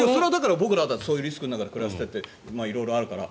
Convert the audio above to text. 僕らはそういうリスクの中で暮らしていて、色々あるから。